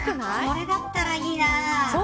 これだったらいいな。